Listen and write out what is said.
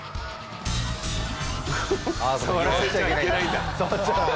触らせちゃいけないんだ。